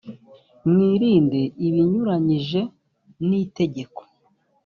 mwirinde ibinyuranyije nitegeko.